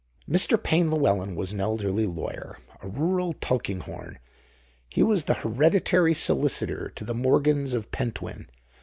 Mr. Payne Llewelyn was an elderly lawyer, a rural Tulkinghorn. He was the hereditary solicitor to the Morgans of Pentwyn.